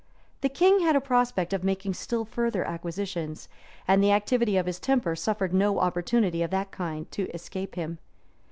{1159.} The king had a prospect of making still further acquisitions; and the activity of his temper suffered no opportunity of that kind to escape him.